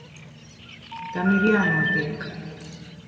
Tam ir jānotiek.